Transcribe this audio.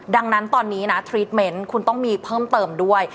ดังนั้นตอนนี้นะทรีดเมนต์คุณต้องมีเพิ่มเติมด้วย